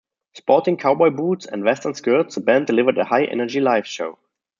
Sporting cowboy boots and western skirts, the band delivered a high energy live show.